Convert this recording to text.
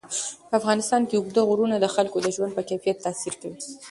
په افغانستان کې اوږده غرونه د خلکو د ژوند په کیفیت تاثیر کوي.